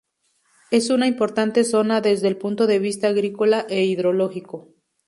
Es una importante zona desde el punto de vista agrícola e hidrológico.